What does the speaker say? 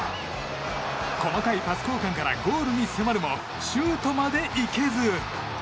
細かいパス交換からゴールに迫るもシュートまで行けず。